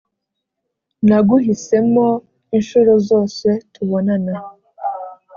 naguhisemoo inshuro zose tubonana